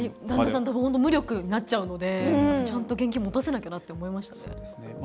旦那さんとか本当、無力になっちゃうのでちゃんと現金持たせなきゃなって思いましたね。